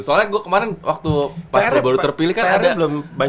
soalnya gue kemarin waktu pas terpilih kan ada